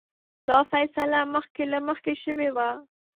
دا فیصله مخکې له مخکې شوې وه.